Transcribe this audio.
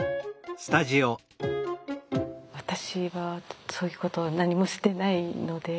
私はそういうことは何もしてないので。